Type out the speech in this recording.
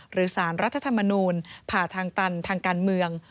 หรือสารรัฐธรรมนูลผ่าทางตันทางการเมือง